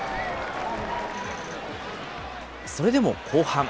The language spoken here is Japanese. それでも後半。